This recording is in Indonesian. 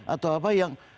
atau apa yang